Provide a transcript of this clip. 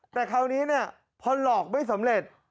แต่คราวนี้เนี่ยพอหลอกไม่สำเร็จ